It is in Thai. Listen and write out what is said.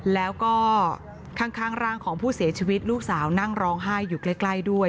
แล้วก็ข้างร่างของผู้เสียชีวิตลูกสาวนั่งร้องไห้อยู่ใกล้ด้วย